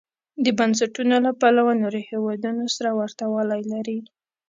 د بنسټونو له پلوه نورو هېوادونو سره ورته والی لري.